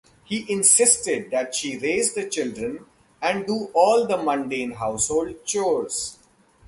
He insisted that she raise the children and do all the mundane household chores.